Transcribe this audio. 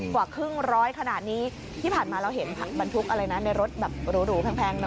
กว่าครึ่งร้อยขนาดนี้ที่ผ่านมาเราเห็นบรรทุกอะไรนะในรถแบบหรูแพงนะ